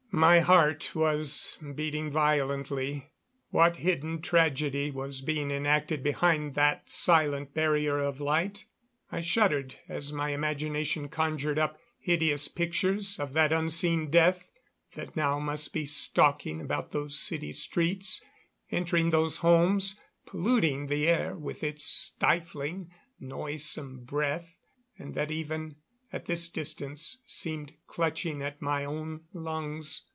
My heart was beating violently. What hidden tragedy was being enacted behind that silent barrier of light? I shuddered as my imagination conjured up hideous pictures of that unseen death that now must be stalking about those city streets, entering those homes, polluting the air with its stifling, noisome breath, and that even at this distance seemed clutching at my own lungs.